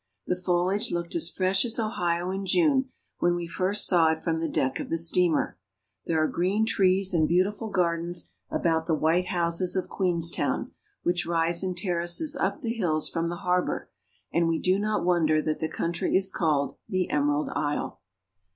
The foliage looked as fresh as Ohio in June, when we first saw it from the deck of the steamer. There are green trees and beautiful gardens about the white houses of Queens town, which rise in terraces up the hills from the harbor, and we do not wonder that the country is called The Emerald Isle.